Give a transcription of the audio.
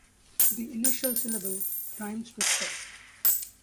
The initial syllable rhymes with "pop".